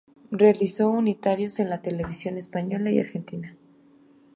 Realizó unitarios en la televisión española y argentina.